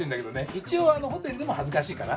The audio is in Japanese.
一応ホテルでも恥ずかしいかな。